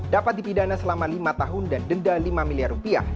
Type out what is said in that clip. dapat dipidana selama lima tahun dan denda lima miliar rupiah